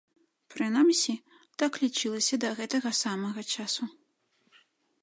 Прынамсі, так лічылася да гэтага самага часу.